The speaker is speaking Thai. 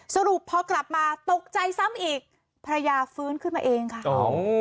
สรุปพอกลับมาตกใจซ้ำอีกภรรยาฟื้นขึ้นมาเองค่ะ